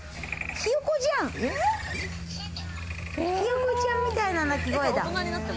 ヒヨコちゃんみたいな鳴き声だ。